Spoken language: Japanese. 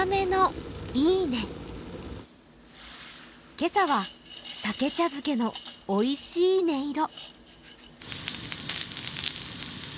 今朝は、しゃけ茶漬けのおいしい音色。